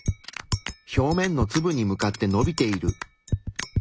表面のツブに向かってのびている。